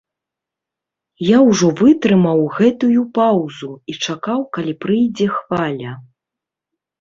Я ўжо вытрымаў гэтую паўзу і чакаў, калі прыйдзе хваля.